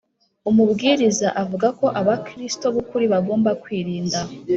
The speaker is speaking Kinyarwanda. Umubwiriza avuga ko abakristo b,ukuri bagomba kwirinda.